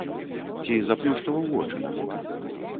Ці заплюшчваў вочы на гэта?